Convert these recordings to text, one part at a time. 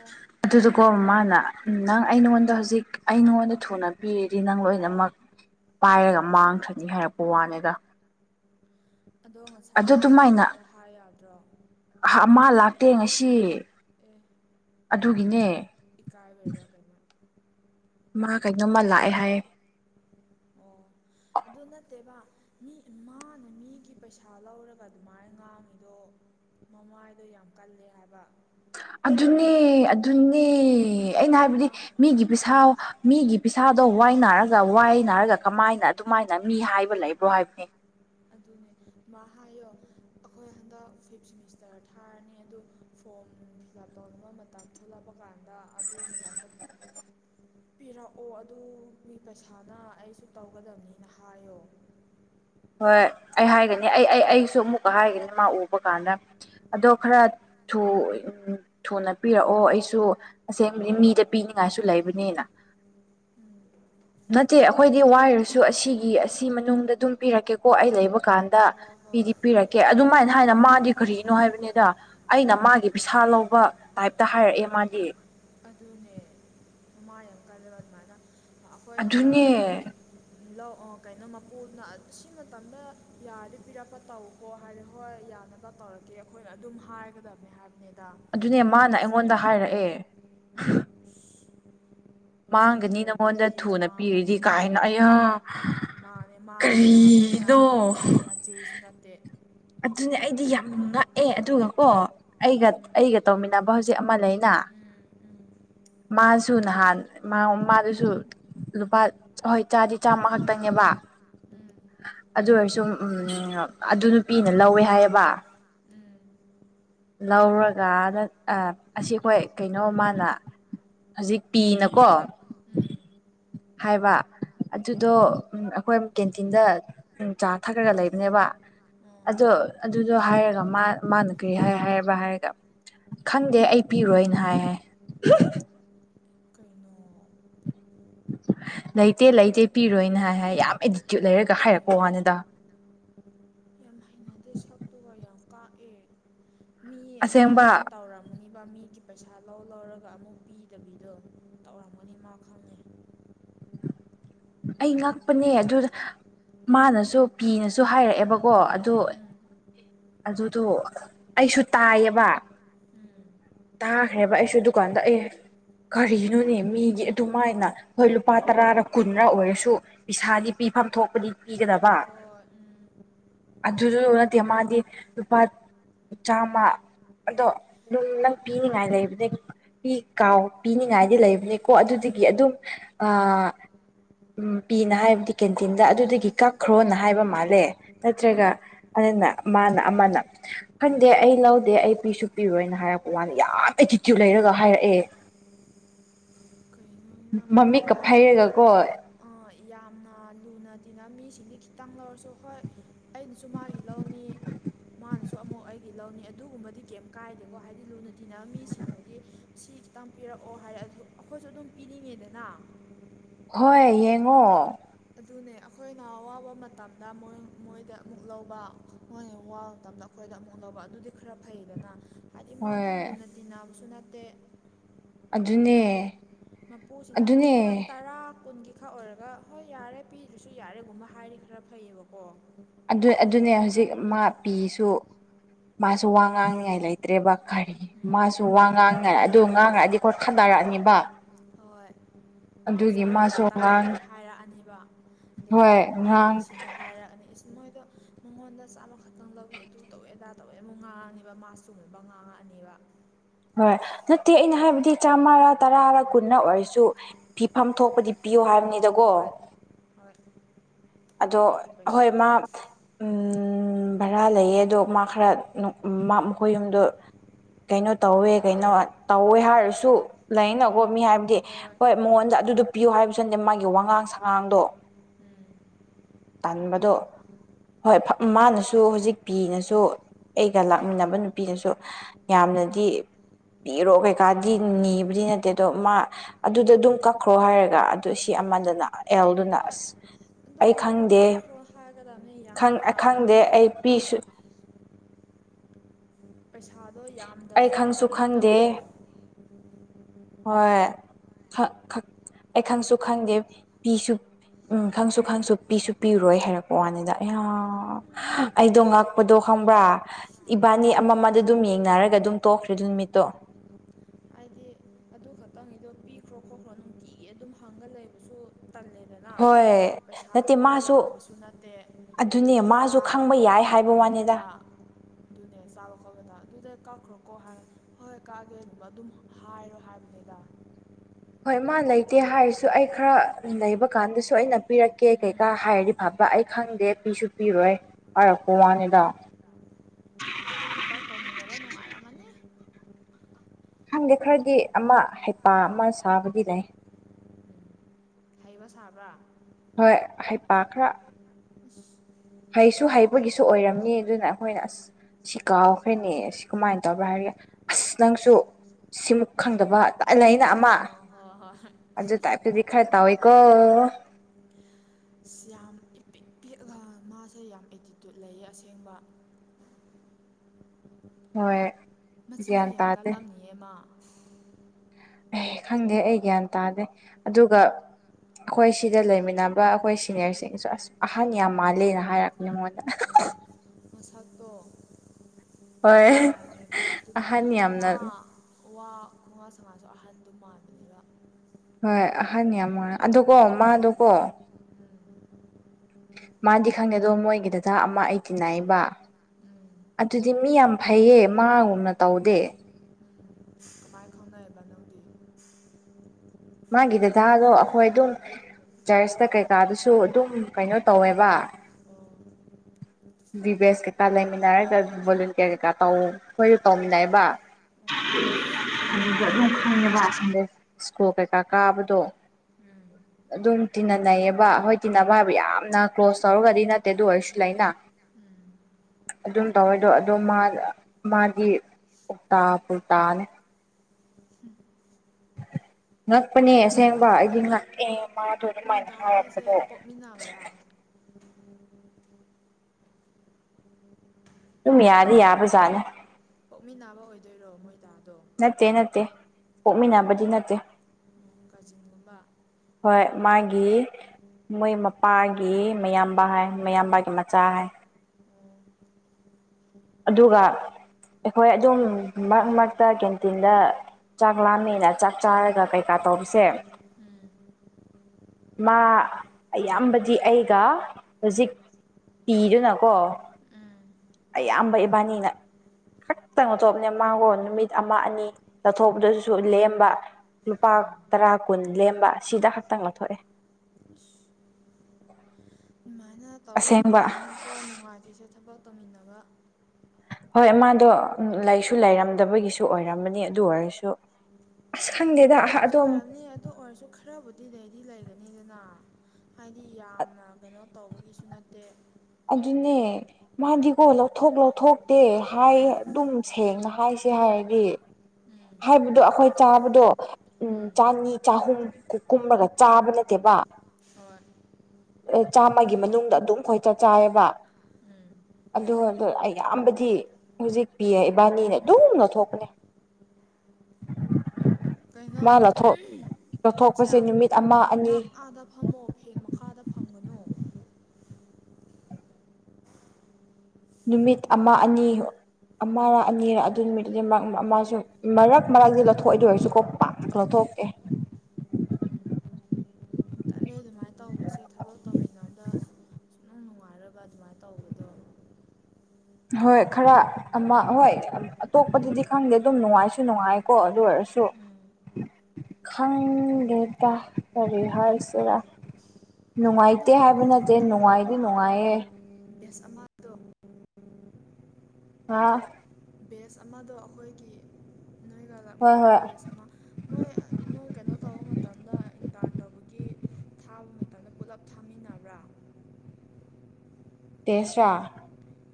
ꯑꯣ ꯑꯗꯨꯗꯨꯀꯣ ꯃꯃꯅ ꯅꯪ ꯑꯩ ꯅꯉꯣꯟꯗ ꯍꯧꯖꯤꯛ ꯍꯧꯖꯤꯛ ꯑꯩ ꯅꯉꯣꯟꯗ ꯊꯨꯅ ꯄꯤꯔꯗꯤ ꯅꯪ ꯂꯣꯏꯅꯃꯛ ꯄꯥꯏꯔꯒ ꯃꯥꯡꯈ꯭ꯔꯅꯤ ꯍꯥꯏꯔꯛꯄ ꯋꯥꯅꯤꯗ ꯑꯗꯣ ꯉꯁꯥꯏ ꯑꯗꯨ ꯑꯃꯨꯛ ꯊꯦꯡꯅꯕꯗ ꯍꯥꯏ ꯌꯥꯗ꯭ꯔꯣ ꯑꯍꯥ ꯃꯥ ꯍꯥꯏꯗꯤ ꯂꯥꯛꯇꯦ ꯉꯁꯤ ꯑꯦ ꯑꯗꯨꯒꯤꯅꯦ [unintelligible] ꯃꯥ ꯀꯩꯅꯣꯝꯃ ꯂꯥꯛꯑꯦ ꯍꯥꯏꯌꯦ ꯑꯣ ꯑꯗꯨ ꯅꯠꯇꯦꯕ ꯃꯤ ꯃꯅꯥ ꯃꯤꯒꯤ ꯄꯩꯁꯥ ꯂꯧꯔꯒ ꯑꯗꯨꯃꯥꯏꯅ ꯉꯥꯡꯉꯤꯗꯣ ꯃꯃꯥꯏꯗꯣ ꯌꯥꯝ ꯀꯜꯂꯦ ꯍꯥꯏꯕ ꯑꯗꯨꯅꯦ ꯑꯗꯨꯅꯦ ꯑꯩꯅ ꯍꯥꯏꯕꯗꯤ ꯃꯥ ꯃꯤꯒꯤ ꯄꯤꯁꯥꯎ ꯃꯤꯒꯤ ꯄꯤꯁꯥꯗꯣ ꯋꯥꯏ ꯅꯥꯔꯒ ꯋꯥꯏ ꯅꯥꯔꯒ ꯀꯃꯥꯏꯅ ꯑꯗꯨꯃꯥꯏꯅ ꯃꯤ ꯍꯥꯏꯕ ꯂꯩꯕ꯭ꯔꯣ ꯍꯥꯏꯕꯅꯤ ꯑꯗꯨꯅꯦ ꯃꯥ ꯍꯥꯏꯌꯣ ꯑꯩꯈꯣꯏ ꯍꯟꯗꯛ ꯐꯤꯞ ꯁꯦꯃꯤꯁꯇꯔ ꯊꯥꯔꯅꯤ ꯑꯗꯨ ꯐꯣꯝ ꯐꯤꯜ ꯇꯧꯅꯕ ꯃꯇꯝ ꯊꯣꯛꯂꯛꯄ ꯀꯥꯟꯗ ꯑꯗꯨ ꯃꯇꯝꯗ [inaudible] ꯄꯤꯔꯛꯑꯣ ꯑꯗꯨ ꯃꯤ ꯄꯩꯁꯥꯅ ꯑꯩꯁꯨ ꯇꯧꯒꯗꯕꯅꯤꯅ ꯍꯥꯏꯌꯣ ꯍꯣꯏ ꯑꯩ ꯍꯥꯏꯒꯅꯤ ꯑꯩ ꯑꯩ ꯑꯩꯁꯨ ꯑꯃꯨꯛꯀ ꯍꯥꯏꯒꯅꯤ ꯃꯥ ꯎꯕ ꯀꯥꯟꯗ ꯑꯗꯣ ꯈꯔ ꯍꯣꯏ ꯊꯨ ꯎ ꯊꯨꯅ ꯄꯤꯔꯛꯑꯣ ꯑꯩꯁꯨ ꯑꯁꯦꯡꯕꯗꯤ ꯃꯤꯗ ꯄꯤꯅꯤꯉꯥꯏꯁꯨ ꯂꯩꯕꯅꯤꯅ ꯅꯠꯇꯦ ꯑꯩꯈꯣꯏꯗꯤ ꯋꯥꯏꯔꯁꯨ ꯑꯁꯤꯒꯤ ꯑꯁꯤ ꯃꯅꯨꯡꯗ ꯑꯗꯨꯝ ꯄꯤꯔꯛꯀꯦꯀꯣ ꯑꯩ ꯂꯩꯕ ꯀꯥꯟꯗ ꯍꯣꯏ ꯄꯤꯗꯤ ꯄꯤꯔꯛꯀꯦ ꯑꯗꯨꯃꯥꯏꯅ ꯍꯥꯏꯅ ꯃꯥꯗꯤ ꯀꯔꯤꯅꯣ ꯍꯥꯏꯕꯅꯤꯗ ꯑꯩꯅ ꯃꯥꯒꯤ ꯄꯩꯁꯥ ꯂꯧꯕ ꯇꯥꯏꯞꯇ ꯍꯥꯏꯔꯛꯑꯦ ꯃꯥꯗꯤ ꯑꯗꯨꯅꯦ ꯃꯃꯥꯏ ꯌꯥꯝ ꯀꯜꯂꯦꯕ ꯑꯗꯨꯃꯥꯏꯅ ꯑꯩꯈꯣꯏꯅ ꯑꯗꯨꯅꯦ ꯂꯧꯔꯗꯤ ꯂꯧꯑꯣ ꯀꯩꯅꯣ ꯃꯄꯨꯅ ꯑꯁꯤ ꯃꯇꯝꯗ ꯌꯥꯔꯗꯤ ꯄꯤꯔꯛꯄ ꯇꯧ ꯑꯣ ꯍꯥꯏꯗꯤ ꯍꯣꯏ ꯌꯥꯅꯕ ꯇꯧꯔꯛꯀꯦ ꯑꯈꯣꯏꯅ ꯑꯗꯨꯝ ꯍꯥꯏꯒꯗꯕꯅꯦ ꯍꯥꯏꯕ ꯅꯦꯗꯥ ꯑꯗꯨꯅꯦ ꯃꯥꯅ ꯃꯁꯤꯅ ꯑꯩꯉꯣꯟꯗ ꯍꯥꯏꯔꯛꯑꯦ [inaudible] ꯄꯩꯁꯥ ꯃꯥꯡꯒꯅꯤ ꯅꯪꯉꯣꯟꯗ ꯂꯩꯔꯗꯨꯗꯤ ꯊꯨꯅ ꯄꯤꯔꯤꯗꯤ ꯃꯥꯡꯉꯅꯤ ꯀꯥꯏ ꯀꯥꯏꯅ ꯑꯩꯌꯥ ꯃꯥꯅꯦ ꯃꯥ ꯀꯅꯥ ꯑꯣꯏꯅ ꯀꯔꯤꯅꯣ ꯅꯆꯦꯁꯨ ꯅꯠꯇꯦ ꯑꯗꯨꯅꯦ ꯑꯩꯗꯤ ꯌꯥꯝ ꯉꯛꯑꯦ ꯑꯗꯨꯒ ꯀꯣ ꯎꯝ ꯑꯩꯒ ꯎꯝ ꯑꯩꯒ ꯇꯧꯃꯤꯟꯅꯕ ꯍꯧꯖꯤꯛ ꯁꯦ ꯑꯃ ꯂꯩꯅ ꯎꯝ ꯎꯝ ꯃꯥꯁꯨ ꯅꯍꯥꯟ ꯃꯥ ꯃꯥꯖꯨꯖꯨ ꯂꯨꯄꯥ ꯆꯍꯣꯏ ꯆꯥꯗꯤ ꯆꯥꯝꯃ ꯈꯛꯇꯪꯅꯦꯕ ꯎꯝ ꯑꯗꯨ ꯑꯣꯏꯔꯁꯨ ꯑꯥ ꯑꯗꯨ ꯅꯨꯄꯤꯅ ꯂꯧꯋꯦ ꯍꯥꯏꯌꯦꯕ ꯂꯧꯔꯒ ꯑꯥ ꯑꯁꯤ ꯑꯩꯈꯣꯏ ꯀꯩꯅꯣꯃꯅ ꯍꯧꯖꯤꯛ ꯄꯤꯅꯀꯣ ꯍꯥꯏꯕ ꯑꯗꯨꯗꯣ ꯑꯩꯈꯣꯏ ꯀꯦꯟꯇꯤꯟꯗ ꯎ ꯆꯥ ꯊꯛꯈ꯭ꯔꯒ ꯂꯩꯕꯅꯦꯕ ꯑꯗꯣ ꯑꯗꯨꯗꯣ ꯍꯥꯏꯔꯒ ꯃꯥ ꯃꯥꯅ ꯀꯔꯤ ꯍꯥꯏ ꯍꯥꯏꯔꯕ ꯍꯥꯏꯔꯒ ꯈꯪꯗꯦ ꯑꯩ ꯄꯤꯔꯣꯏꯅ ꯍꯥꯏ ꯍꯥꯏ ꯎꯝ ꯀꯩꯅꯣ ꯂꯩꯇꯦ ꯂꯩꯇꯦ ꯄꯤꯔꯣꯏꯅ ꯍꯥꯏ ꯍꯥꯏ ꯌꯥꯝ ꯑꯦꯗꯤꯇ꯭ꯌꯨꯠ ꯂꯩꯔꯒ ꯍꯥꯏꯔꯛꯄ ꯋꯥꯅꯦꯗ [inaudible] ꯅꯗꯦ ꯁꯛꯇꯨꯒ ꯌꯥꯝ ꯀꯥꯛꯑꯦ ꯃꯤ ꯃꯥ ꯑꯁꯦꯡꯕ ꯑꯗꯨꯝ ꯇꯧꯔꯝ ꯈꯪꯅꯤꯕ ꯃꯤꯒꯤ ꯄꯩꯁꯥ ꯂꯧ ꯂꯧꯔꯒ ꯑꯃꯨꯛ ꯄꯤꯗꯕꯤꯗꯣ ꯇꯧꯔꯝꯒꯅꯤ ꯃꯥ ꯈꯪꯉꯦ ꯑꯩ ꯉꯛꯄꯅꯦ ꯑꯗꯨꯗ ꯃꯥꯅꯁꯨ ꯄꯤꯅꯁꯨ ꯍꯥꯏꯔꯛꯑꯦꯕꯀꯣ ꯑꯗꯨ ꯎꯝ ꯑꯗꯨꯗꯣ ꯑꯩꯁꯨ ꯇꯥꯏꯌꯦꯕ ꯇꯥꯈ꯭ꯔꯦꯕ ꯑꯩꯁꯨ ꯗꯨꯀꯥꯟꯗ ꯑꯩ ꯀꯔꯤꯅꯣꯅꯦ ꯃꯤꯒꯤ ꯑꯗꯨꯃꯥꯏꯅ ꯍꯣꯏ ꯂꯨꯄꯥ ꯇꯔꯥꯔ ꯀꯨꯟ ꯑꯣꯏꯔꯁꯨ ꯄꯩꯁꯥꯗꯤ ꯄꯤꯐꯝ ꯊꯣꯛꯄꯗꯤ ꯎꯝ ꯍꯣ ꯄꯤꯒꯗꯕ ꯍꯣꯏ ꯎꯝ ꯑꯗꯨꯁꯨ ꯑꯗꯨꯅꯦ ꯅꯠꯇꯦ ꯃꯥꯗꯤ ꯂꯨꯄꯥ ꯆꯥꯝꯃ ꯑꯗꯣ ꯑꯗꯨꯅꯨꯡ ꯅꯪ ꯄꯤꯅꯤꯡꯉꯥꯏ ꯂꯩꯕꯅꯦ ꯄꯤ ꯀꯥꯎ ꯄꯤꯅꯤꯡꯉꯥꯏꯗꯤ ꯂꯩꯕꯅꯤꯀꯣ ꯑꯗꯨꯗꯒꯤ ꯑꯗꯨꯝ ꯑꯥ ꯄꯤꯅ ꯍꯥꯏꯕꯗꯤ ꯀꯦꯟꯇꯤꯟꯗ ꯑꯗꯨꯗꯒꯤ ꯀꯛꯈ꯭ꯔꯣꯅ ꯍꯥꯏꯕ ꯃꯥꯜꯂꯦ ꯑꯥ ꯅꯠꯇ꯭ꯔꯒ ꯑꯗꯨꯅ ꯃꯥꯅ ꯑꯃꯅ ꯈꯟꯗꯦ ꯑꯩ ꯂꯧꯗꯦ ꯑꯩ ꯄꯤꯁꯨ ꯄꯤꯔꯣꯏꯅ ꯍꯥꯏꯔꯛꯄ ꯃꯥꯅ ꯑꯦ ꯌꯥꯝ ꯑꯦꯇꯤꯇ꯭ꯌꯨꯠ ꯂꯩꯔꯒ ꯍꯥꯏꯔꯛꯑꯦ [inaudible] ꯀꯩꯅꯣꯅ ꯃꯥꯗꯤ ꯃꯃꯤꯀ ꯍꯥꯏꯗꯤ ꯐꯩꯔꯒ ꯑꯥ ꯌꯥꯝꯅ ꯂꯨꯅ ꯇꯤꯟꯅ ꯃꯤꯁꯤꯡꯗꯤ ꯈꯤꯇꯪ ꯂꯧꯔꯁꯨ ꯍꯣꯏ ꯑꯩꯅꯁꯨ ꯃꯥꯒꯤ ꯂꯧꯅꯤ ꯃꯥꯅꯁꯨ ꯑꯃꯨꯛ ꯑꯩꯒꯤ ꯂꯧꯅꯤ ꯑꯗꯨꯒꯨꯝꯕꯗꯤ ꯀꯩꯝ ꯀꯥꯏꯗꯦꯀꯣ ꯍꯥꯏꯗꯤ ꯂꯨꯅ ꯊꯤꯕ ꯃꯤꯁꯤꯡꯗꯨꯗꯤ ꯁꯤ ꯈꯤꯇꯪ ꯄꯤꯔꯛꯑꯣ ꯍꯥꯏꯔ ꯑꯗꯨ ꯑꯩꯈꯣꯏꯁꯨ ꯑꯗꯨꯝ ꯄꯤꯅꯤꯡꯉꯦꯗꯅ ꯍꯣꯏ ꯌꯦꯡꯉꯣ ꯑꯗꯨꯅꯦ ꯑꯩꯈꯣꯏꯅꯍ ꯑꯋꯥꯕ ꯃꯇꯝꯗ ꯃꯣꯏ ꯃꯣꯏꯗ ꯑꯃꯨꯛ ꯂꯧꯕ ꯃꯣꯏꯅ ꯋꯥꯕ ꯃꯇꯝꯗ ꯑꯩꯈꯣꯏꯗ ꯑꯃꯨꯛ ꯂꯧꯕ ꯑꯗꯨꯗꯤ ꯈꯔ ꯐꯩꯗꯅ ꯍꯥꯏꯗꯤ ꯍꯣꯏ ꯃꯥꯗꯤ ꯂꯨꯅ ꯇꯤꯟꯅꯕꯁꯨ ꯅꯠꯇꯦ ꯑꯗꯨꯅꯦ ꯌꯦꯡꯉꯨꯅꯦ ꯃꯄꯨꯁꯤꯅ ꯑꯗꯨꯅꯦ ꯍꯣꯏ ꯇꯔꯥ ꯀꯨꯟꯒꯤ ꯈꯛ ꯑꯣꯏꯔꯒ ꯍꯣꯏ ꯌꯥꯔꯦ ꯄꯤꯗꯁꯨ ꯌꯥꯔꯦꯒꯨꯝꯕ ꯍꯥꯏꯔꯦ ꯈꯔ ꯐꯩꯌꯦꯕꯀꯣ ꯑꯗꯨ ꯑꯗꯨꯅꯦ ꯍꯧꯖꯤꯛ ꯃꯥ ꯄꯤꯁꯨ ꯃꯥꯁꯨ ꯋꯥ ꯉꯥꯡꯅꯤꯡꯉꯥꯏ ꯂꯩꯇ꯭ꯔꯦꯕ ꯀꯔꯤ ꯃꯥꯁꯨ ꯋꯥ ꯉꯥꯡꯉꯦ ꯑꯗꯨ ꯉꯥꯡꯉꯛꯑꯗꯤ ꯑꯩꯈꯣꯏ ꯈꯠꯅꯔꯛꯑꯅꯤꯕ ꯍꯣꯏ ꯑꯗꯨ ꯑꯗꯨꯒꯤ ꯆꯥꯝꯃ ꯃꯥꯁꯨ ꯉꯥꯡ ꯈꯛꯇꯪꯒꯤꯗꯤ ꯍꯥꯏꯔꯛꯑꯅꯦꯕ ꯑꯗꯨꯒ ꯍꯣꯏ ꯉꯥꯡ ꯃꯃꯥꯅꯨꯕꯤꯁꯤꯡꯅ ꯍꯥꯏꯔꯛꯑꯅꯤ ꯏꯁ ꯃꯣꯏꯗꯣ ꯅꯪꯉꯣꯟꯗ ꯆꯥꯝꯃ ꯈꯛꯇꯪ ꯂꯧꯏ ꯑꯗꯨ ꯇꯧꯋꯦ ꯑꯗꯥ ꯇꯧꯋꯦ ꯑꯃꯨꯛ ꯉꯥꯡꯉꯅꯤꯕ ꯃꯥꯁꯨ ꯇꯨꯡꯉꯕ ꯉꯥꯉꯛꯑꯅꯤꯕ ꯍꯣꯏ ꯅꯠꯇꯦ ꯑꯩꯅ ꯍꯥꯏꯕꯗꯤ ꯆꯥꯝꯃꯔꯥ ꯇꯔꯥꯔ ꯀꯨꯟꯅ ꯑꯣꯏꯔꯁꯨ ꯄꯤꯐꯝ ꯊꯣꯛꯄꯗꯤ ꯄꯤꯌꯣ ꯍꯥꯏꯕꯅꯤꯗꯀꯣ ꯍꯣꯏ ꯑꯗꯣ ꯃꯤꯒꯤ ꯍꯣꯏ ꯃꯥ ꯄꯩꯁꯥꯕꯨ ꯎꯝ ꯚꯔꯥ ꯂꯩꯌꯦ ꯑꯗꯣ ꯃꯥ ꯈꯔ ꯅꯣꯛ ꯃꯥ ꯃꯈꯣꯏ ꯌꯨꯝꯗꯣ ꯀꯩꯅꯣ ꯇꯧꯋꯦ ꯀꯩꯅꯣ ꯇꯧꯋꯦ ꯍꯥꯏꯔꯁꯨ ꯂꯩꯅ ꯀꯣ ꯎꯝ ꯃꯤ ꯍꯥꯏꯕꯗꯤ ꯍꯣꯏ ꯃꯉꯣꯟꯗ ꯑꯗꯨꯗꯣ ꯄꯤꯌꯨ ꯍꯥꯏꯕꯁꯨ ꯅꯦ ꯃꯥꯒꯤ ꯋꯥꯉꯥꯡ ꯁꯉꯥꯡꯗꯣ ꯎꯝ ꯇꯟꯕꯗꯣ ꯍꯣꯏ ꯃꯥꯅꯁꯨ ꯍꯧꯖꯤꯛ ꯄꯤꯅꯁꯨ ꯑꯩꯒ ꯂꯥꯛꯃꯤꯟꯅꯕ ꯅꯨꯄꯤꯅꯁꯨ ꯌꯥꯝꯅꯗꯤ ꯄꯤꯔꯣ ꯀꯩꯀꯥꯗꯤ ꯅꯤꯕꯗꯤ ꯎꯝ ꯅꯠꯇꯦ ꯑꯗꯣ ꯃꯥ ꯑꯗꯨꯗ ꯑꯗꯨꯝ ꯍꯣꯏꯅꯦ ꯀꯛꯈ꯭ꯔꯣ ꯍꯥꯏꯔꯒ ꯑꯗꯨ ꯁꯤ ꯑꯃꯗꯅ ꯑꯦꯜꯗꯨꯅ ꯑꯁ ꯑꯩ ꯣꯡꯕꯗ ꯈꯪꯗꯦ ꯀꯞꯈ꯭ꯔꯣ ꯍꯥꯏꯔꯒꯗꯅꯦ ꯌꯥꯝꯅ ꯀꯩꯅꯣ ꯄꯕꯤꯤꯁ ꯄꯩꯁꯥꯗꯣ ꯑꯩ ꯌꯥꯝꯗꯕꯁꯨ ꯈꯪꯁꯨ ꯈꯪꯗꯦ ꯅꯠꯇꯕꯅꯤꯅꯀꯣ ꯍꯣꯏ ꯑꯩ ꯈꯪꯁꯨ ꯈꯪꯗꯦ ꯄꯤꯁꯨ ꯎꯝ ꯈꯪꯁꯨ ꯈꯪꯁꯨ ꯄꯤꯁꯨ ꯄꯤꯔꯣꯏ ꯍꯥꯏꯔꯛꯄ ꯋꯥꯅꯤꯗ ꯑꯌꯥꯝ ꯑꯩꯗꯣ ꯉꯛꯄꯗꯣ ꯈꯪꯕ꯭ꯔꯥ ꯏꯕꯥꯅꯤ ꯑꯃ ꯑꯃꯗ ꯑꯗꯨꯝ ꯌꯦꯡꯅꯔꯒ ꯑꯗꯨꯝ ꯇꯣꯛꯈ꯭ꯔꯦ ꯅꯨꯃꯤꯠꯇꯣ ꯍꯥꯏꯗꯤ ꯑꯗꯨ ꯈꯛꯇꯪꯒꯤꯗꯣ ꯄꯤꯈ꯭ꯔꯣ ꯈꯣꯠꯈ꯭ꯔꯣ ꯅꯨꯡꯇꯤꯒꯤ ꯑꯗꯨꯝ ꯍꯪꯒ ꯂꯩꯕꯁꯨ ꯇꯜꯂꯦ ꯍꯣꯏ [unintelligible] ꯅꯠꯇꯦ ꯄꯩꯁꯥꯗꯣ ꯃꯥꯁꯨ ꯌꯥꯝꯕꯁꯨ ꯅꯠꯇꯦ ꯑꯗꯨꯅꯦ ꯑꯗꯨꯒꯤ ꯃꯥꯁꯨ ꯆꯥꯕ ꯈꯪꯕ ꯈꯣꯠꯄ ꯌꯥꯏ ꯍꯥꯏꯕ ꯃꯇꯝ [unintelligible] ꯋꯥꯅꯤꯗ ꯗꯥ ꯗꯨꯅꯦ ꯆꯥꯕ ꯈꯣꯠꯄꯗ ꯑꯗꯨꯗ ꯀꯥꯞꯈ꯭ꯔꯣꯀꯣ ꯍꯥꯏꯔ ꯍꯣꯏ ꯀꯥꯞꯀꯦ ꯒꯨꯝꯕ ꯗꯨꯝ ꯍꯥꯏꯔꯣ ꯍꯥꯏꯕꯅꯦ ꯗꯥ ꯍꯣꯏ ꯃꯥ ꯂꯩꯇꯦ ꯍꯥꯏꯔꯤꯁ ꯗꯨ ꯑꯩ ꯈꯔ ꯅꯩꯕ ꯀꯥꯟꯗꯁꯨ ꯑꯩꯅ ꯄꯤꯔꯛꯀꯦ ꯀꯩꯀꯥ ꯎꯝ ꯍꯥꯏꯔꯗꯤ ꯐꯕ ꯑꯩ ꯈꯪꯗꯦ ꯄꯤꯁꯨ ꯄꯤꯔꯣꯏ ꯍꯥꯏꯔꯛꯄ ꯋꯥꯅꯤꯗ ꯑꯗꯨꯅꯤ ꯊꯕꯛ ꯇꯧꯃꯤꯟꯅꯕ ꯅꯨꯡꯉꯥꯏꯔꯝꯃꯅꯤ ꯈꯪꯗꯦ ꯈꯔꯗꯤ ꯑꯃꯥ ꯍꯩꯄꯥ ꯑꯃ ꯁꯥꯕꯗꯤ ꯂꯩ ꯍꯩꯕ ꯁꯥꯕ꯭ꯔꯥ ꯍꯣꯏ ꯍꯩꯄꯥ ꯈꯔ [unintelligible] ꯍꯩꯁꯨ ꯍꯩꯕꯒꯤꯁꯨ ꯑꯣꯏꯔꯝꯅꯤ ꯑꯗꯨꯅ ꯑꯩꯈꯣꯏꯅ ꯑꯁ ꯁꯤ ꯀꯥꯎꯈ꯭ꯔꯦꯅꯦ ꯁꯤ ꯀꯃꯥꯏꯅ ꯇꯧꯕ꯭ꯔꯥ ꯍꯥꯏꯒꯦ ꯑꯁ ꯅꯪꯁꯨ ꯁꯤꯃꯨꯛ ꯈꯪꯗꯕ ꯇꯥꯅꯩꯅ ꯑꯃ ꯍꯣ ꯍꯣ [unintelligible] ꯇꯥꯏꯞ ꯀꯥꯗꯤ ꯈꯔ ꯇꯧꯏꯀꯣ ꯑꯁ ꯌꯥꯝ ꯄꯤꯛꯑꯒ ꯃꯥꯁꯦ ꯌꯥꯝ ꯑꯦꯇꯤꯇ꯭ꯌꯨꯠ ꯂꯩꯌꯦ ꯑꯁꯦꯡꯕ ꯍꯣꯏ ꯃꯆꯤꯟꯁꯨ ꯒ꯭ꯌꯥꯟ ꯌꯥꯝ ꯇꯥꯗꯦ ꯀꯜꯂꯝꯅꯤꯌꯦ ꯃꯥ ꯑꯦ ꯈꯪꯗꯦ ꯑꯩ ꯒ꯭ꯌꯥꯟ ꯇꯥꯗꯦ ꯑꯗꯨꯒ ꯑꯩꯈꯣꯏ ꯁꯤꯗ ꯂꯩꯃꯤꯟꯅꯕ ꯑꯩꯈꯣꯏ ꯁꯦꯅꯤꯌꯔꯁꯤꯡꯁꯨ ꯑꯁ ꯑꯍꯟ ꯌꯥꯝ ꯃꯥꯜꯂꯦꯅ ꯍꯥꯏꯔꯛꯅꯦ ꯑꯣ ꯃꯣꯏꯗ ꯃꯁꯛꯇꯣ ꯍꯣꯏ ꯅꯦꯕ ꯑꯗꯨꯗꯣ ꯑꯍꯟ ꯌꯥꯝꯅ ꯃꯥ ꯋꯥ ꯈꯨꯉꯥꯡ ꯁꯥꯉꯥꯁꯨ ꯑꯍꯟ ꯗꯨꯝ ꯃꯥꯟꯕꯅꯦꯕ ꯍꯣꯏ ꯑꯍꯟ [unintelligible] ꯑꯗꯣꯀꯣ ꯎꯝ ꯃꯥꯗꯣꯀꯣ ꯎꯝ ꯃꯥꯗꯤ ꯈꯪꯗꯦ ꯗꯣ ꯀꯃꯥꯏꯅ ꯃꯣꯏꯒꯤ ꯗꯥꯗꯥ ꯑꯃ ꯑꯩ ꯇꯤꯟꯅꯩꯏꯕ ꯈꯪꯅꯩꯕ ꯅꯪꯗꯤ ꯑꯗꯨꯗꯤ ꯃꯤ ꯌꯥꯝ ꯐꯩꯌꯦ ꯃꯥꯒꯨꯝꯅ ꯇꯧꯗꯦ ꯈꯪꯅꯏꯕ ꯅꯪꯗꯤ ꯃꯥꯒꯤ ꯗꯗꯥꯗꯣ ꯑꯩꯈꯣꯏ ꯑꯗꯨꯝ ꯆꯔ꯭ꯁꯇ ꯀꯩꯀꯥꯗꯨꯁꯨ ꯑꯗꯨꯝ ꯀꯩꯅꯣ ꯇꯧꯋꯦꯕ ꯕꯤ ꯕꯤ ꯑꯦꯁ ꯀꯩꯀꯥ ꯂꯩꯃꯤꯟꯅꯔꯒ ꯚꯣꯂꯟꯇꯤꯌꯔ ꯀꯥ ꯇꯧ ꯑꯩꯈꯣꯏꯁꯨ ꯇꯧꯃꯤꯟꯅꯩꯕ ꯑꯣ ꯀꯣꯛ ꯑꯗꯨꯗ ꯑꯗꯨꯝ ꯉꯥꯎꯋꯦ ꯈꯪꯉꯦꯕ ꯁ꯭ꯀꯨꯜ ꯀꯩꯀꯥ ꯑꯩ ꯀꯥꯕꯗꯣ ꯎꯝ [inaudible] ꯑꯗꯨꯝ ꯇꯤꯟꯅꯅꯩꯕ ꯍꯣꯏ ꯇꯤꯟꯅꯕ ꯍꯥꯏꯕ ꯌꯥꯝꯅ ꯀ꯭ꯂꯣꯖ ꯇꯧꯔꯒꯗꯤ ꯅꯠꯇꯦ ꯑꯗꯨ ꯑꯣꯏꯔꯁꯨ ꯂꯩꯅ ꯎꯝ ꯑꯗꯨꯝ ꯇꯧꯋꯦ ꯑꯗꯣ ꯑꯗꯣ ꯃꯥ ꯃꯥꯗꯤ ꯎꯇꯥ ꯄꯔꯨꯜꯇꯥꯅꯦ ꯉꯛꯄꯅꯦ ꯑꯁꯦꯡꯕ ꯑꯩꯗꯤ ꯉꯛꯑꯦ ꯃꯥꯗꯣ ꯑꯗꯨꯃꯥꯏꯅ ꯍꯥꯏꯔꯛꯄꯗꯣ ꯃꯤꯅꯥꯕꯔꯥ ꯗꯨꯝ ꯌꯥꯗꯤ ꯌꯥꯕ ꯖꯥꯠꯅꯦ ꯄꯣꯛꯃꯤꯟꯅꯥꯕ ꯑꯣꯏꯗꯣꯏꯔꯣ ꯃꯣꯏ ꯗꯥꯗꯣ ꯅꯠꯇꯦ ꯅꯠꯇꯦ ꯄꯣꯛꯃꯤꯟꯅꯥꯕꯗꯤ ꯅꯠꯇꯦ ꯄꯥꯖꯤꯟꯒꯨꯝꯕ ꯍꯣꯏ ꯃꯥꯒꯤ ꯃꯣꯏ ꯄꯥꯒꯤ ꯃꯌꯥꯝꯕ ꯍꯥꯏ ꯃꯌꯥꯝꯕꯒꯤ ꯃꯆꯥ ꯍꯥꯏ ꯑꯣ ꯑꯗꯨꯒ ꯑꯩꯈꯣꯏ ꯑꯗꯨꯝ ꯃꯔꯛ ꯃꯔꯛꯇ ꯀꯦꯟꯇꯤꯟꯗ ꯆꯥꯛ ꯂꯥꯝꯃꯦꯅ ꯆꯥꯛ ꯆꯥꯔꯒ ꯀꯩꯀꯥ ꯇꯧꯕꯁꯦ ꯎꯝ ꯃꯥ ꯑꯌꯥꯝꯕꯗꯤ ꯑꯩꯒ ꯍꯧꯖꯤꯛ ꯄꯤꯗꯨꯅꯀꯣ ꯎꯝ ꯑꯌꯥꯝꯕ ꯏꯕꯥꯅꯤꯅ ꯈꯛꯇꯪ ꯉꯊꯣꯛꯄꯅꯦ ꯃꯥꯡꯒꯣꯟ ꯅꯨꯃꯤꯠ ꯑꯃ ꯑꯅꯤ ꯆꯠꯊꯣꯛꯄꯗꯨꯁꯨ ꯂꯦꯝꯕ ꯂꯨꯄꯥ ꯎꯝ ꯇꯔꯥ ꯀꯨꯟ ꯂꯦꯝꯕ ꯁꯤꯗ ꯈꯛꯇꯪ ꯂꯧꯊꯣꯛꯑꯦ ꯑꯗꯨꯃꯥꯏꯅ ꯇꯧꯕ ꯑꯁꯦꯡꯕ ꯃꯇꯝꯅꯤꯅꯦꯀꯣ ꯅꯨꯡꯉꯥꯏꯇ꯭ꯔꯤꯁꯦ ꯊꯕꯛ ꯇꯧꯃꯤꯟꯅꯕ ꯍꯣꯏ ꯃꯥꯗꯣ ꯂꯩꯁꯨ ꯂꯩꯔꯝꯗꯕꯒꯤꯁꯨ ꯑꯣꯏꯔꯝꯕꯅꯤ ꯑꯗꯨ ꯑꯣꯏꯔꯁꯨ ꯑꯁ ꯈꯪꯗꯦꯗ ꯂꯩꯔꯝꯗꯕꯁꯨ ꯑꯗꯨꯝ ꯑꯣꯏꯔꯝꯅꯤ ꯑꯗꯨ ꯑꯣꯏꯔꯁꯨ ꯈꯠ ꯈꯔꯕꯨꯗꯤ ꯂꯩꯩꯗꯤ ꯂꯩꯒꯅꯤꯗꯅ ꯍꯥꯏꯗꯤ ꯌꯥꯝꯅ ꯀꯩꯅꯣ ꯇꯧꯕꯒꯤꯁꯨ ꯅꯠꯇꯦ ꯑꯗꯨꯅꯦ ꯃꯥꯗꯤꯀꯣ ꯂꯧꯊꯣꯛ ꯂꯧꯊꯣꯛꯇꯦ ꯍꯥꯏ ꯑꯗꯨꯝ ꯁꯦꯡꯅ ꯍꯥꯏꯁꯦ ꯍꯥꯏꯔꯗꯤ ꯎꯝ ꯍꯥꯏꯕꯗꯣ ꯑꯩꯈꯣꯏ ꯆꯥꯕꯗꯣ ꯎꯝ ꯆꯥꯅꯤ ꯆꯍꯨꯝ ꯀꯨꯝꯔꯒ ꯆꯥꯕ ꯅꯠꯇꯦꯕ ꯍꯣ ꯆꯥꯝꯃꯒꯤ ꯃꯅꯨꯡꯗ ꯑꯗꯨꯝ ꯈꯣꯏꯆꯥ ꯆꯥꯔꯒ ꯎꯝ ꯑꯗꯨ ꯑꯩꯌꯥꯝꯕꯗꯤ ꯍꯧꯖꯤꯛ ꯄꯤꯌꯦ ꯏꯕꯥꯅꯤꯅ ꯑꯗꯨꯝ ꯂꯧꯊꯣꯛꯄꯅꯦ ꯀꯩꯅꯣ ꯃꯥ ꯂꯧꯊꯣꯛ ꯏꯟꯁꯌꯥ ꯂꯧꯊꯣꯛꯄꯁꯦ ꯅꯨꯃꯤꯠ ꯑꯃ ꯅꯪ ꯑꯅꯤ ꯑꯥꯗ ꯐꯝꯃꯣ ꯍꯦꯜ ꯃꯈꯥꯗ ꯐꯝꯒꯅꯨ ꯅꯨꯃꯤꯠ ꯑꯃ ꯑꯅꯤ ꯑꯃꯔ ꯑꯅꯤꯔ ꯑꯗꯨ ꯅꯨꯃꯤꯠꯇꯗꯤ ꯃꯔꯛ ꯑꯃꯁꯨ ꯃꯔꯛ ꯃꯔꯛꯇ ꯂꯧꯊꯣꯛꯑꯦ ꯑꯗꯨꯑꯣꯏꯔꯁꯨꯀꯣ ꯄꯥꯛ ꯂꯧꯊꯣꯛꯀꯦ ꯎꯝ ꯇꯜꯂꯦꯍꯦ ꯑꯗꯨꯃꯥꯏꯅ ꯇꯧꯕꯁꯦ ꯊꯕꯛ ꯇꯧꯃꯤꯟꯅꯕꯗ ꯅꯪ ꯅꯨꯡꯉꯥꯏꯂꯣꯏꯕ ꯑꯗꯨꯃꯥꯏꯅ ꯇꯧꯕꯗꯣ ꯍꯣꯏ ꯈꯔ ꯑꯃ ꯍꯣꯏ ꯑꯇꯣꯞꯄꯗꯨꯗꯤ ꯈꯪꯗꯦ ꯑꯗꯨꯝ ꯅꯨꯡꯉꯥꯏꯁꯨ ꯅꯨꯡꯉꯥꯏꯀꯣ ꯑꯗꯨ ꯑꯣꯏꯔꯁꯨ ꯎꯝ ꯈꯪꯗꯦꯇ ꯀꯔꯤ ꯍꯥꯏꯁꯤꯔꯥ ꯅꯨꯡꯉꯥꯏꯇꯦ ꯍꯥꯏꯕ ꯅꯠꯇꯦ ꯅꯨꯡꯉꯥꯏꯗꯤ ꯅꯨꯡꯉꯥꯏꯌꯦ ꯎꯝ ꯕꯦꯁ ꯑꯃ ꯉꯔꯥꯡ ꯕꯦꯁ ꯑꯃꯗꯣ ꯑꯩꯈꯣꯏꯒꯤ ꯅꯣꯏꯒ ꯍꯣꯏ ꯂꯥꯛꯃꯤꯟꯅꯕ ꯍꯣꯏ ꯕꯦꯁ ꯑꯃ ꯃꯣꯏ ꯅꯣꯏ ꯀꯩꯅꯣ ꯇꯧꯕ ꯃꯇꯝꯗ ꯏꯟꯇꯥꯔ ꯇꯧꯕꯒꯤ ꯊꯥꯕ [unintelligible] ꯊꯥꯃꯤꯟꯅꯕ꯭ꯔꯥ ꯇꯦꯁꯔꯥ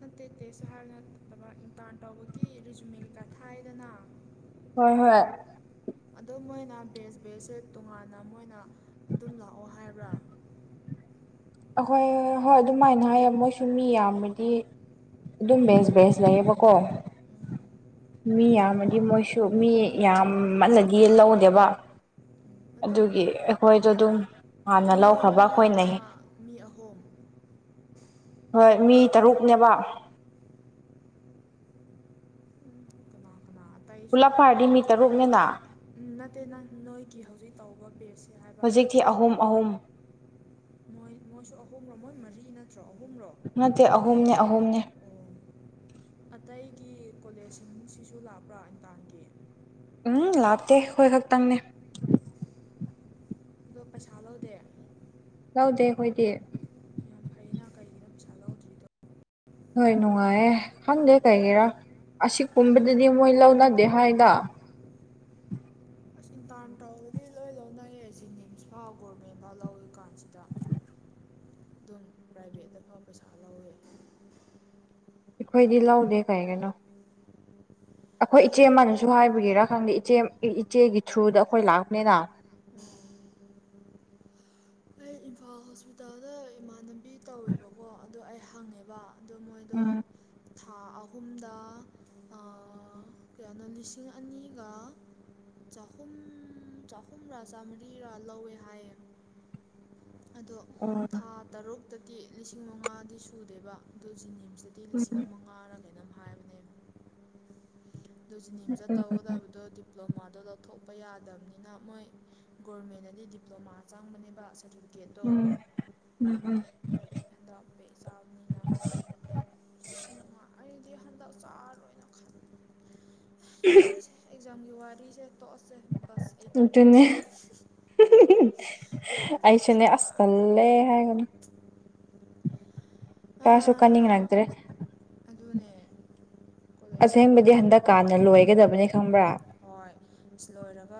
ꯅꯠꯇꯦ ꯇꯦꯁꯨ ꯍꯥꯏꯕ ꯅꯠꯇꯕ ꯗꯟ ꯇꯧꯕꯒꯤ ꯔꯤꯖꯨꯃꯤꯜ ꯀꯩꯀ ꯊꯥꯏꯗꯅ ꯍꯣꯏ ꯍꯣꯏ ꯑꯗꯣ ꯃꯣꯏꯅ ꯕꯦꯖ ꯕꯦꯖꯁꯦ ꯇꯣꯉꯥꯟꯅ ꯃꯣꯏꯅ ꯑꯗꯨꯝ ꯂꯥꯛꯑꯣ ꯍꯥꯏꯕ꯭ꯔꯥ ꯑꯍꯣꯏ ꯍꯣꯏ ꯑꯗꯨꯃꯥꯏꯅ ꯍꯥꯏꯌꯦ ꯃꯣꯏꯁꯨ ꯃꯤ ꯌꯥꯝꯕꯗꯤ ꯑꯗꯨꯝ ꯕꯦꯁ ꯕꯦꯁ ꯂꯩꯌꯦꯕꯀꯣ ꯃꯤ ꯌꯥꯝꯃꯗꯤ ꯃꯣꯏꯁꯨ ꯃꯤ ꯌꯥꯝꯃꯜꯂꯗꯤ ꯂꯧꯗꯦꯕ ꯑꯗꯣ ꯑꯗꯨꯒꯤ ꯑꯩꯈꯣꯏꯗꯣ ꯑꯗꯨꯝ ꯍꯥꯟꯅ ꯅꯣꯏ ꯂꯧꯈ꯭ꯔꯕ ꯑꯩꯈꯣꯏꯅ ꯅꯣꯏꯗꯨꯅ ꯃꯤ ꯑꯍꯨꯝ ꯍꯣꯏ ꯃꯤ ꯇꯔꯨꯛꯅꯦꯕ ꯀꯅꯥ ꯀꯅꯥ ꯑꯇꯩꯁꯨ ꯄꯨꯂꯞ ꯂꯥꯛꯄ꯭ꯔꯥ ꯐꯥꯔꯗꯤ ꯃꯤ ꯇꯔꯨꯛꯅꯤꯅ ꯅꯠꯇꯦ ꯅꯪ ꯅꯣꯏꯒꯤ ꯍꯧꯖꯤꯛ ꯇꯧꯕ ꯄꯦꯔꯁꯁꯦ ꯍꯥꯏꯕ ꯍꯧꯖꯤꯛꯇꯤ ꯑꯍꯨꯝ ꯑꯍꯨꯝ ꯃꯣꯏ ꯃꯣꯏꯁꯨ ꯑꯍꯨꯝꯂꯣ ꯃꯣꯏ ꯃꯔꯤ ꯅꯠꯇ꯭ꯔꯣ ꯑꯍꯨꯝꯔꯣ ꯅꯠꯇꯦ ꯑꯍꯨꯝꯅꯦ ꯑꯍꯨꯝꯅꯦ ꯑꯣ ꯑꯇꯩꯒꯤ ꯀꯣꯂꯦꯖꯁꯤꯡꯁꯤꯁꯨ ꯂꯥꯛꯄ꯭ꯔꯥ ꯏꯟꯗꯥꯡꯒꯤ ꯎꯝ ꯂꯥꯛꯇꯦ ꯑꯩꯈꯣꯏ ꯈꯛꯇꯪꯅꯦ ꯑꯗꯣ ꯄꯩꯁꯥ ꯂꯧꯗꯦ ꯌꯥꯎꯗꯦ ꯈꯣꯏꯗꯤ ꯑꯦꯝ ꯆꯂꯧꯗ꯭ꯔꯤꯗꯣ ꯍꯣꯏ ꯅꯨꯡꯉꯥꯏꯌꯦ ꯈꯪꯗꯦ ꯀꯩꯒꯤꯔꯥ ꯑꯁꯤ ꯄꯨꯝꯕꯗꯗꯤ ꯃꯣꯏ ꯂꯧꯅꯗꯦ ꯍꯥꯏꯗ ꯗꯥꯟ ꯇꯧꯕꯗꯤ ꯂꯣꯏ ꯂꯧꯅꯩꯌꯦ ꯖꯦꯅꯤꯝꯁ ꯐꯥꯎ ꯒꯣꯔꯃꯦꯟ ꯐꯥꯎ ꯂꯧꯋꯤ ꯀꯥꯟꯁꯤꯗ [inaudible] ꯑꯗꯨꯝ ꯄ꯭ꯔꯥꯏꯚꯦꯠꯇꯐꯥꯎ ꯄꯩꯁꯥ ꯂꯧꯋꯦ ꯑꯩꯈꯣꯏꯗꯤ ꯂꯧꯗꯦ ꯀꯩꯒꯤꯅꯣ ꯑꯩꯈꯣꯏ ꯑꯩ ꯏꯆꯦ ꯑꯃꯅꯁꯨ ꯍꯥꯏꯕꯒꯤꯔꯥ ꯈꯪꯗꯦ ꯏꯆꯦ ꯏꯆꯦꯒꯤ ꯊ꯭ꯔꯨꯗ ꯑꯩꯈꯣꯏ ꯂꯥꯛꯄꯅꯤꯅ ꯑꯩ ꯍꯣꯁꯄꯤꯇꯥꯜꯗ ꯏꯃꯥꯟꯅꯕꯤ ꯇꯧꯋꯦꯕꯀꯣ ꯑꯗꯣ ꯑꯩ ꯍꯪꯉꯦꯕ ꯑꯗꯣ ꯃꯣꯏꯗꯣ ꯎꯝ ꯊꯥ ꯑꯍꯨꯝꯗ ꯀꯌꯥꯅꯣ ꯂꯤꯁꯤꯡ ꯑꯅꯤꯒ ꯆꯍꯨꯝ ꯆꯍꯨꯝꯔꯥ ꯆꯥꯝꯔꯤꯔ ꯂꯧꯋꯦ ꯍꯥꯏꯌꯦ ꯑꯗꯣ ꯎꯝ ꯊꯥ ꯇꯔꯨꯛꯇꯒꯤ ꯂꯤꯁꯤꯡ ꯃꯉꯥꯗꯤ ꯁꯨꯗꯦꯕ ꯑꯗꯨ ꯖꯤꯅꯤꯝꯁꯇ ꯇꯤ ꯂꯤꯁꯤꯡ ꯃꯉꯥꯔ ꯀꯩꯅꯝ ꯍꯥꯏꯕꯅꯦ ꯑꯗꯨ ꯖꯤꯅꯤꯝꯁꯇ ꯇꯧꯒꯗꯕꯗꯣ ꯗꯤꯄ꯭ꯂꯣꯃꯥꯗꯣ ꯂꯧꯊꯣꯛꯄ ꯌꯥꯗꯕꯅꯤꯅ ꯃꯣꯏ ꯒꯣꯔꯃꯦꯟꯅꯗꯤ ꯗꯤꯄ꯭ꯂꯣꯃꯥ ꯆꯪꯕꯅꯦꯕ ꯇꯤꯐꯤ ꯎꯝ ꯎꯝ ꯎꯝ [unintelligible] ꯆꯥꯔ ꯌꯥꯔꯦꯁꯦ ꯑꯦꯛꯖꯥꯝꯒꯤ ꯋꯥꯔꯤꯁꯦ ꯇꯣꯛꯑꯁꯦ ꯕꯁ ꯑꯩ ꯑꯗꯨ ꯑꯗꯨꯅꯦ ꯇꯥꯅꯤꯡꯗ꯭ꯔꯦ ꯑꯩꯁꯨꯅꯦ ꯀꯣꯂꯦꯖꯅꯦꯒ ꯑꯁꯇꯜꯂꯦ ꯍꯥꯏꯕꯅ ꯀꯁꯨ ꯀꯅꯤꯡ ꯑꯥ ꯂꯥꯛꯇ꯭ꯔꯦ ꯑꯗꯨꯅꯦ ꯀꯣꯂꯦꯖꯀꯤ ꯑꯁꯦꯡꯕꯗꯤ ꯏꯔꯥꯡ ꯑꯗꯨꯝ ꯍꯟꯗꯛꯀꯥꯟꯅ ꯇꯧꯕꯅꯤꯅ ꯂꯣꯏꯒꯗꯕꯅꯦ ꯈꯪꯕ꯭ꯔꯥ ꯍꯣꯏ ꯁꯤ ꯂꯣꯏꯔꯒ